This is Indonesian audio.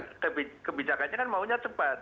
kebijakannya kan maunya cepat